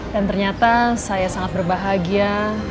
dan ternyata saya sangat berbahagia